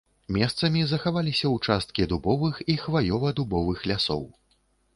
Месцамі захаваліся ўчасткі дубовых і хваёва-дубовых лясоў.